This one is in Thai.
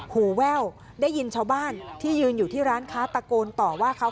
หูแว่วได้ยินชาวบ้านที่ยืนอยู่ที่ร้านค้าตะโกนต่อว่าเขา